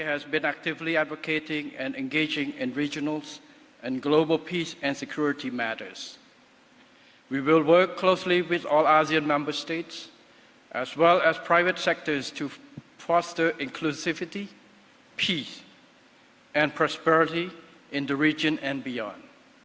asean telah mencari kekerasan keamanan dan keberuntungan di negara dan di luar